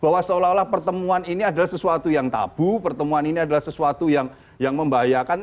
bahwa seolah olah pertemuan ini adalah sesuatu yang tabu pertemuan ini adalah sesuatu yang membahayakan